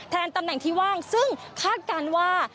ตำแหน่งที่ว่างซึ่งคาดการณ์ว่า